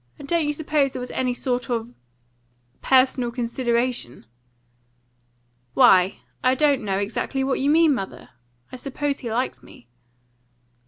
"And you don't suppose it was any sort of personal consideration?" "Why, I don't know exactly what you mean, mother. I suppose he likes me."